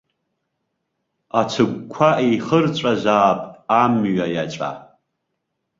Ацыгәқәа еихырҵәазаап амҩа иаҵәа.